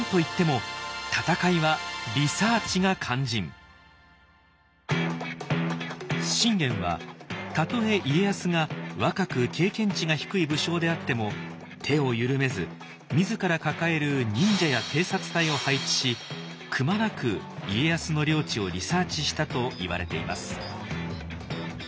その後も信玄はたとえ家康が若く経験値が低い武将であっても手を緩めず自ら抱える忍者や偵察隊を配置しくまなく家康の領地をリサーチしたといわれています。